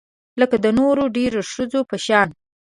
لکه د نورو ډیرو ښځو په شان